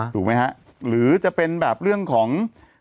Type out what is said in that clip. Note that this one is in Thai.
ถูกไหมฮะหรือจะเป็นแบบเรื่องของ